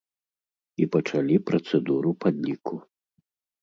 І пачалі працэдуру падліку.